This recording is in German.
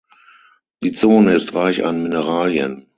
Die Zone ist reich an Mineralien.